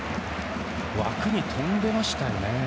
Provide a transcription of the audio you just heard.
枠に飛んでましたよね。